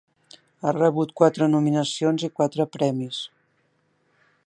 Ha rebut quatre nominacions i quatre premis.